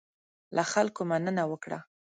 له خلکو مننه وکړه.